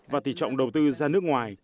và thị trọng đầu tư ra nước ngoài